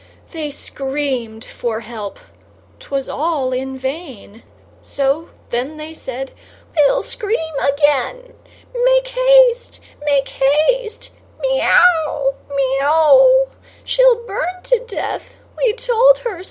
They screamed for help, 'twas all in vain! So then they said: "We'll scream again; Make haste, make haste, me ow, me o, She'll burn to death; we told her so."